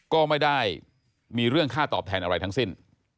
ก็ไม่ได้มีเรื่องค่าตอบแทนอะไรทั้งสิ้น